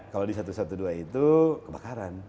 kalau di satu ratus dua belas itu kebakaran